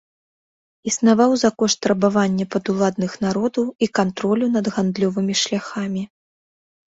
Існаваў за кошт рабавання падуладных народаў і кантролю над гандлёвымі шляхамі.